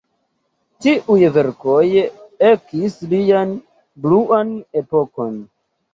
Tiuj verkoj ekis lian "bluan epokon".